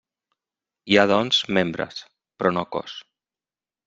Hi ha, doncs, membres, però no cos.